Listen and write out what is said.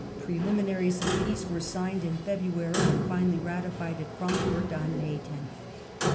Preliminaries of peace were signed in February, and finally ratified at Frankfort on May 10th.